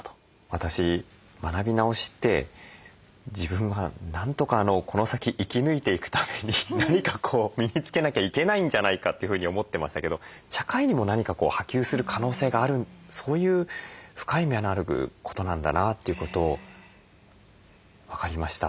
私学び直しって自分はなんとかこの先生き抜いていくために何か身につけなきゃいけないんじゃないかというふうに思ってましたけど社会にも何か波及する可能性があるそういう深い意味のあることなんだなということを分かりました。